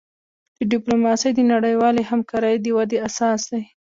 ډیپلوماسي د نړیوالی همکاری د ودي اساس دی.